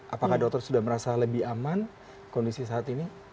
apakah dokter sudah merasa lebih aman kondisi saat ini